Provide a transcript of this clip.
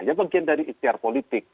ya bagian dari ikhtiar politik